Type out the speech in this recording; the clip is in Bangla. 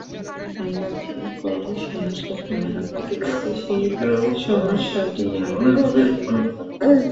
আমরা কোন সমস্যা সমাধান করতে যাচ্ছি সেই সমস্যাটিই আগে খুঁজে বের করা।